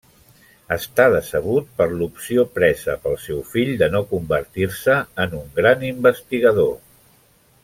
Està decebut per l'opció presa pel seu fill de no convertir-se en un gran investigador.